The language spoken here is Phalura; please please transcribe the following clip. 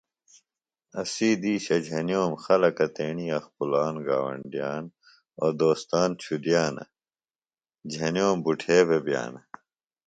اسی دیشہ جھنیِوم خلکہ تیݨی اخپُلان گاونڈیان او دوستان چُھدیانہ۔ جھنیوم بٹُھے بےۡ بئانہ۔